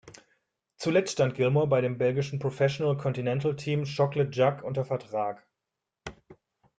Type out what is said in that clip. Zuletzt stand Gilmore bei dem belgischen Professional Continental Team Chocolade Jacques unter Vertrag.